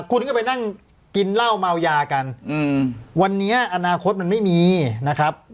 คุณก็ไปนั่งกินเหล้าเมายากันอืมวันนี้อนาคตมันไม่มีนะครับ